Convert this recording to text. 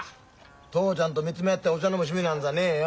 父ちゃんと見つめ合ってお茶飲む趣味なんざねえよ。